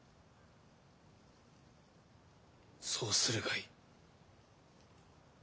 そうするがいい。